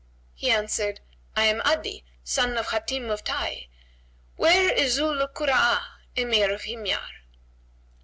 He answered, "I am Adi,[FN#132] son of Hatim of Tayy; where is Zu 'l Kura'a, Emir of Himyar?"